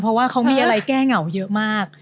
เพราะว่าเขามีอะไรแก้เหงาเยอะมาก